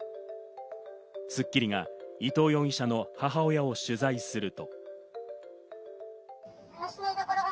『スッキリ』が伊藤容疑者の母親を取材すると。